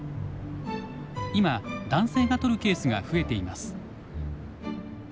今男性が取るケースが増えています。